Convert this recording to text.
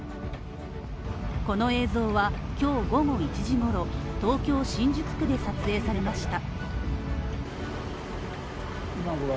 この映像は今日午後１時ごろ東京・新宿区で撮影されました。